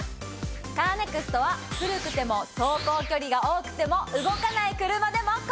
カーネクストは古くても走行距離が多くても動かない車でも。